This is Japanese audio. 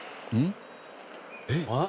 えっ！